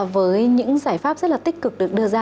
với những giải pháp rất là tích cực được đưa ra